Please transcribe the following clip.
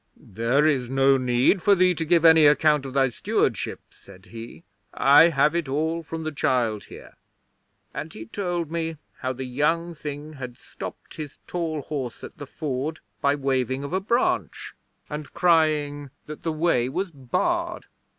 '"There is no need for thee to give any account of thy stewardship," said he. "I have it all from the child here." And he told me how the young thing had stopped his tall horse at the Ford, by waving of a branch, and crying that the way was barred.